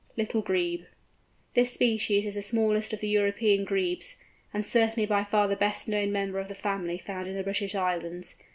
LITTLE GREBE. This species is the smallest of the European Grebes, and certainly by far the best known member of the family found in the British Islands.